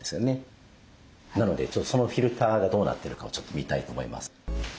なのでそのフィルターがどうなってるかを見たいと思います。